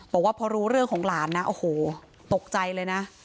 บอกว่าพอรู้เรื่องของหลานนะโอ้โหตกใจเลยนะ